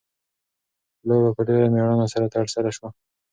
لوبه په ډېره مېړانه سره ترسره شوه.